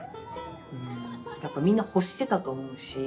やっぱみんな欲してたと思うし。